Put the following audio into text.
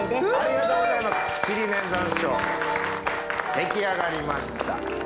出来上がりました。